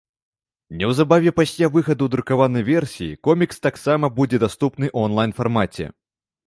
Неўзабаве пасля выхаду друкаванай версіі комікс таксама будзе даступны ў анлайн-фармаце.